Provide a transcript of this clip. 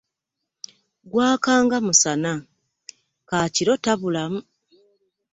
Gwaka nga musana , kaakiro tabulamu .